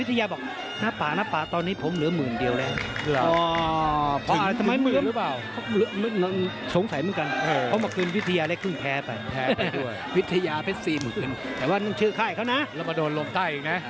แต่ว่าต้องชื่อไข้เขานะแล้วมาโดนลงใกล้อีกนะอ่าอ่าอ่า